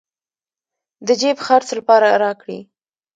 د جېب خرڅ لپاره راكړې.